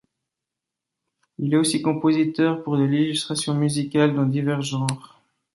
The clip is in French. Il est aussi compositeur pour de l'illustration musicale dans divers genres.